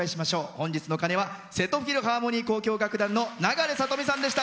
本日の鐘は瀬戸フィルハーモニー交響楽団の永礼さとみさんでした。